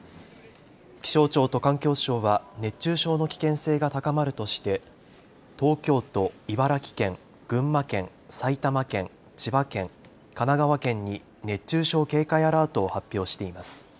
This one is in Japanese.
気象庁と環境省は熱中症の危険性が高まるとして東京都、茨城県、群馬県、埼玉県、千葉県、神奈川県に熱中症警戒アラートを発表しています。